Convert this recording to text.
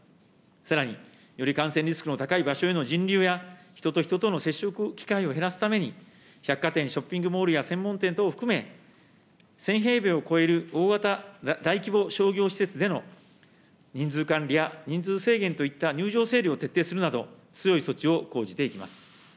さらに、より感染リスクの高い場所への人流や、人と人との接触機会を減らすために、百貨店、ショッピングモールや専門店を含め、１０００平米を超える大型大規模商業施設での人数管理や人数制限といった入場整理を徹底するなど、強い措置を講じていきます。